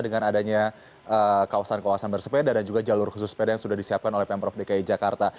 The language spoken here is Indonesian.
dengan adanya kawasan kawasan bersepeda dan juga jalur khusus sepeda yang sudah disiapkan oleh pemprov dki jakarta